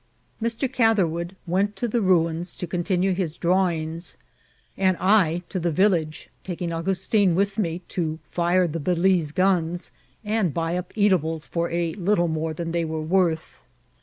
Mr. Catherwood went to the ruins to continue his drawings, and I to the village, taking Augustin with me to fire the Balize guns, and buy up eatables for a little more than they were worth.